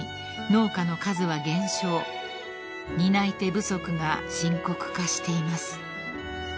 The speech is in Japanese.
［担い手不足が深刻化しています］